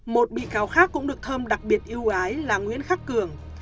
một bị cáo khác cũng được thơm đặc biệt yêu ái là nguyễn khắc cường